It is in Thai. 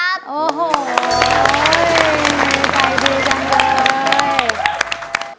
ใครดีจังเลย